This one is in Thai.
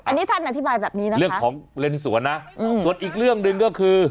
อันนี้ท่านอธิบายแบบนี้นะเรื่องของเลนสวนนะส่วนอีกเรื่องหนึ่งก็คือ